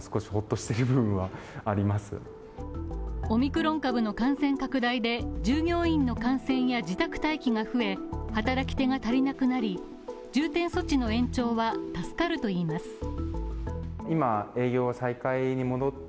オミクロン株の感染拡大で従業員の感染や自宅待機が増え働き手が足りなくなり、重点措置の延長は助かるといいます。